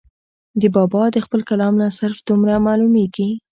د بابا د خپل کلام نه صرف دومره معلوميږي